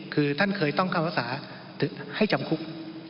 คือท่านเคยต้องเข้ารักษาให้จำคุก